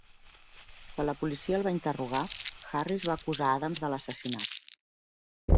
Quan la policia el va interrogar, Harris va acusar Adams de l'assassinat.